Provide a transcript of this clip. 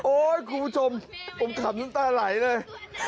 คุณผู้ชมผมขำน้ำตาไหลเลย